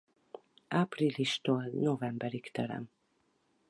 Áprilistól novemberig terem.